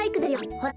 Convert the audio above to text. ほら。